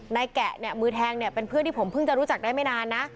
แกะเนี่ยมือแทงเนี่ยเป็นเพื่อนที่ผมเพิ่งจะรู้จักได้ไม่นานนะ